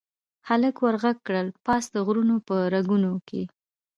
هلک ور ږغ کړل، پاس د غرونو په رګونو کې